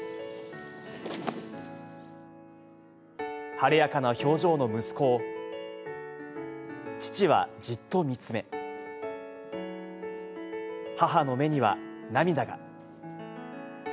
晴れやかな表情の息子を、父はじっと見つめ、母の目には涙が。